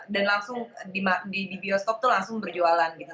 dan langsung di bioskop itu langsung berjualan gitu